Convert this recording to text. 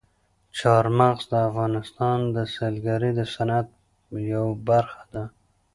چار مغز د افغانستان د سیلګرۍ د صنعت یوه برخه ده.